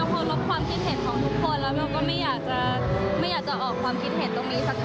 ก็มองว่าเบลดูที่ตัวเบลดีกว่า